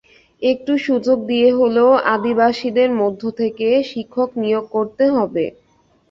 একটু সুযোগ দিয়ে হলেও আদিবাসীদের মধ্য থেকে শিক্ষক নিয়োগ করতে হবে।